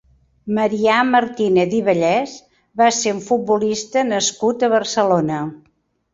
Marià Martínez i Vallès va ser un futbolista nascut a Barcelona.